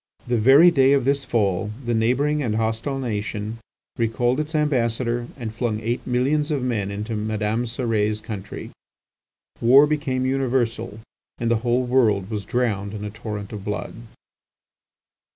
The very day of this fall the neighbouring and hostile nation recalled its ambassador and flung eight millions of men into Madame Cérès' country. War became universal, and the whole world was drowned in a torrent of blood.